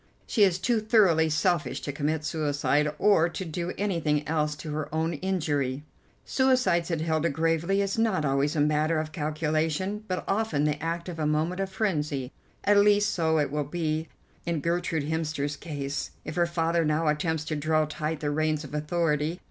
She is too thoroughly selfish to commit suicide, or to do anything else to her own injury." "Suicide," said Hilda gravely, "is not always a matter of calculation, but often the act of a moment of frenzy, at least so it will be in Gertrude Hemster's case if her father now attempts to draw tight the reins of authority.